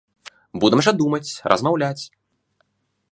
Будам жа думаць, размаўляць.